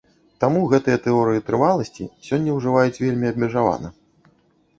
Таму гэтыя тэорыі трываласці сёння ўжываюць вельмі абмежавана.